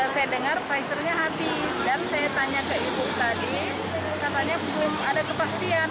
saya dengar pfizernya habis dan saya tanya ke ibu tadi katanya belum ada kepastian